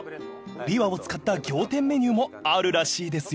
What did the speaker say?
［びわを使った仰天メニューもあるらしいですよ］